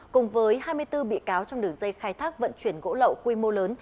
cùng với hai mươi bốn bị cáo trong đường dây khai thác vận chuyển gỗ lậu quy mô lớn